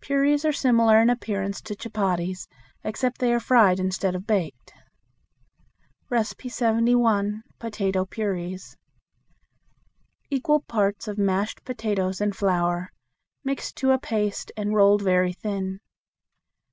Puris are similar in appearance to chupatties, except they are fried instead of baked. 71. Potato Puris. Equal parts of mashed potatoes and flour, mixed to a paste and rolled very thin.